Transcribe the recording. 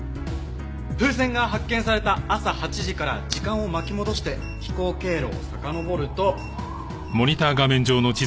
風船が発見された朝８時から時間を巻き戻して飛行経路をさかのぼると。